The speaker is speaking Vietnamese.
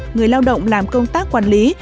người lao động làm công tác quản lý